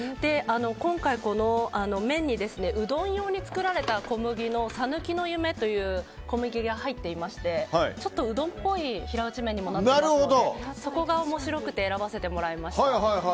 今回麺にうどん用に作られた小麦のさぬきの夢という小麦が入っていましてちょっとうどんっぽい平打ち麺にもなっていますのでそこが面白くて選ばせてもらいました。